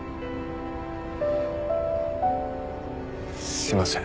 すいません。